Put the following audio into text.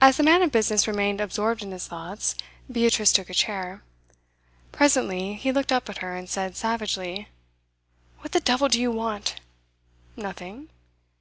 As the man of business remained absorbed in his thoughts, Beatrice took a chair. Presently he looked up at her, and said savagely: 'What the devil do you want?' 'Nothing.